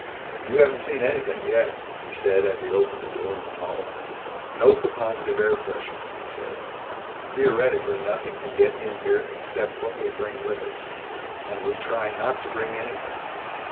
"You haven't seen anything yet," he said as he opened a door in the hall. "Note the positive air pressure," he said. "Theoretically nothing can get in here except what we bring with us. And we try not to bring anything."